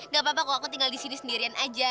gak apa apa kalau aku tinggal di sini sendirian aja